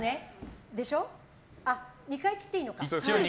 ２回切っていいのか。